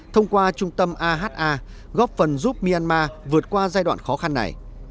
thông qua trung tâm aha góp phần giúp myanmar vượt qua giai đoạn khó khăn này